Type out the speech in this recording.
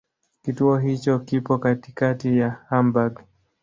Kituo hicho kipo katikati ya Hamburg.